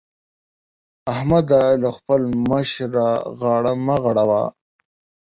احمده! له خپل مشره غاړه مه غړوه.